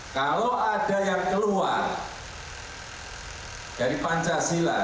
kalau ada yang keluar dari pancasila